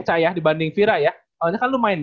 cah ya dibanding fira ya karena kan lu main